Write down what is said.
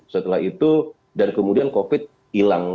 setelah itu dan kemudian covid hilang